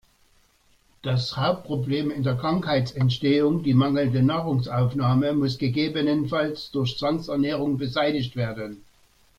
Das Hauptproblem in der Krankheitsentstehung, die mangelnde Nahrungsaufnahme, muss gegebenenfalls durch Zwangsernährung beseitigt werden.